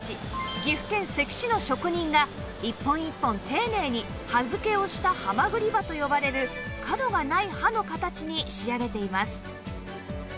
岐阜県関市の職人が一本一本丁寧に刃付けをしたハマグリ刃と呼ばれる角がない刃の形に仕上げています